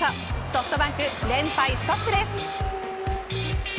ソフトバンク連敗ストップです。